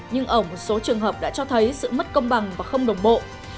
nhưng ở một số trường hợp đã cho thấy sự mất công bằng và không đồng bộ